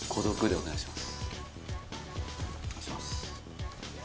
お願いします